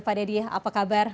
pak deddy apa kabar